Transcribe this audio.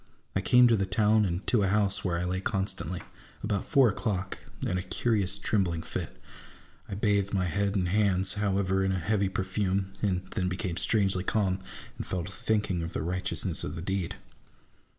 I came to the town, and to a house where I lay constantly, about four o'clock, in a curious trembling fit. I bathed my head and hands, however, in a heavy perfume, and then became strangely calm, and fell to thinking of the Tightness of the deed.